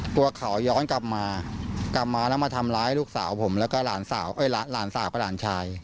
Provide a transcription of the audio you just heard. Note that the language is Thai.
กลัวเขาย้อนกลับมาแล้วมาทำร้ายลูกสาวผมแล้วก็หลานสาวก็หลานชาย